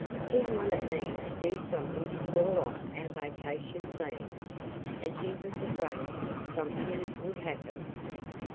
He wanted me to do something to call off our vacation plans, as he was afraid something would happen."